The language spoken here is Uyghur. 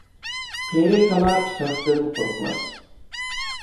قېرى كالا پىچاقتىن قورقماس.